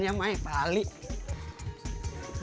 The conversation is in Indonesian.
ya namanya juga sakit be musibah